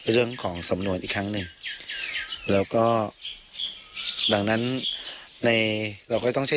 เรื่องของสำนวนอีกครั้งหนึ่งแล้วก็ดังนั้นในเราก็ต้องใช้